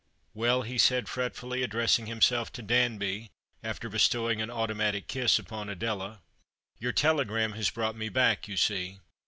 " Well," he said fretfully, addressing himself to Danby, after bestowing an automatic kiss upon Adela, "your telegram has brought me back, you see.